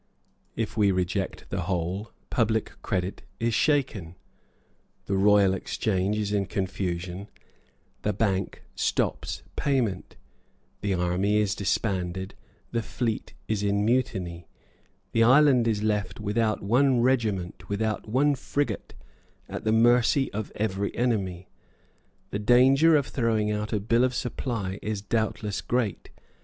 If we reject the whole, public credit is shaken; the Royal Exchange is in confusion; the Bank stops payment; the army is disbanded; the fleet is in mutiny; the island is left, without one regiment, without one frigate, at the mercy of every enemy. The danger of throwing out a bill of supply is doubtless great.